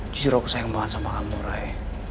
jujur aku sayang banget sama kamu ray